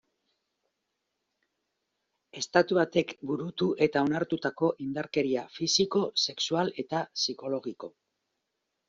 Estatu batek burutu eta onartutako indarkeria fisiko, sexual eta psikologiko.